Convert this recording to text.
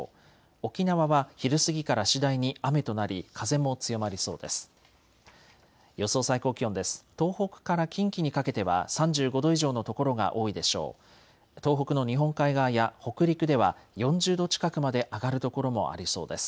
沖縄は昼過ぎから次第に雨となり風も強まりそうです。